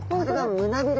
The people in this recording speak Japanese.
胸びれ。